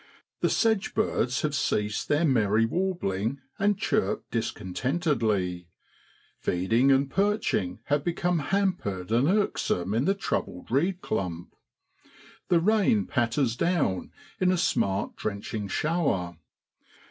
The sedge birds have ceased their merry warbling and chirp discontentedly ; feeding and perching have become hampered and irk some in the troubled reed clump. The rain patters down in a smart drenching shower.